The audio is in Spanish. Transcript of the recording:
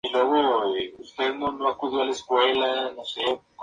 Unos pocos de estos últimos fueron convertidos con tren de aterrizaje triciclo.